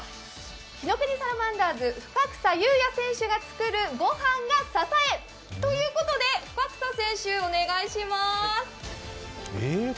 火の国サラマンダーズ深草駿哉選手が作る御飯が支えということで、深草選手、お願いします。